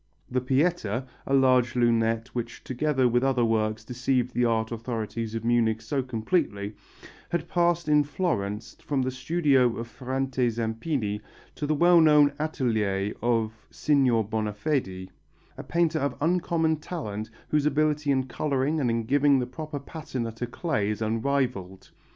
The Pietà the large lunette which together with other works deceived the art authorities of Munich so completely had passed in Florence from the studio of Ferrante Zampini to the well known atelier of Signor Bonafedi, a painter of uncommon talent whose ability in colouring and in giving a proper patina to clay is unrivalled.